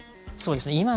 そうですね。